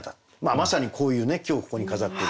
まさにこういうね今日ここに飾ってる。